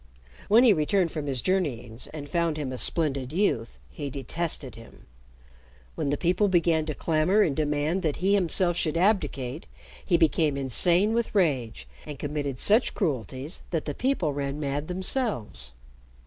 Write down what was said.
When he returned from his journeyings and found him a splendid youth, he detested him. When the people began to clamor and demand that he himself should abdicate, he became insane with rage, and committed such cruelties that the people ran mad themselves.